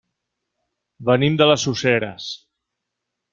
Venim de les Useres.